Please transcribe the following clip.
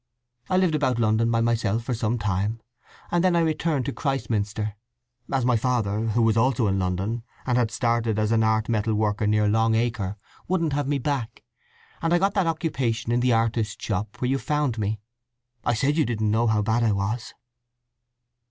I lived about London by myself for some time, and then I returned to Christminster, as my father— who was also in London, and had started as an art metal worker near Long Acre—wouldn't have me back; and I got that occupation in the artist shop where you found me… I said you didn't know how bad I was!"